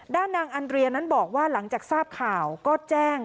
ด้านนางอันเรียนั้นบอกว่าหลังจากทราบข่าวก็แจ้ง